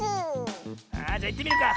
あじゃいってみるか。